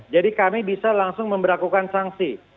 jadi kami bisa langsung memperlakukan sanksi